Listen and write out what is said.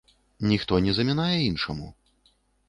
Ніхто не замінае іншаму.